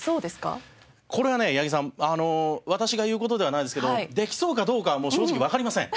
これはね八木さんあの私が言う事ではないですけどできそうかどうかはもう正直わかりません。